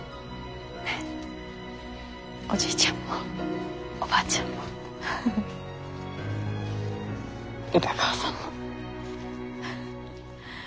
おじいちゃんもおばあちゃんも宇田川さんも。